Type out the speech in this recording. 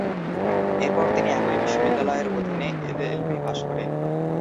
এরপর তিনি একই বিশ্ববিদ্যালয়ের অধীনে এলএলবি পাশ করেন।